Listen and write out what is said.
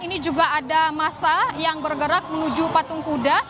ini juga ada masa yang bergerak menuju patung kuda